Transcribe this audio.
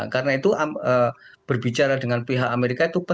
karena itu berbicara dengan pihak amerika